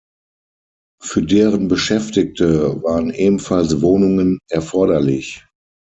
Für deren Beschäftigte waren ebenfalls Wohnungen erforderlich.